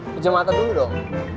kejam mata dulu dong